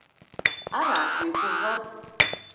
Арат уи гугъэр?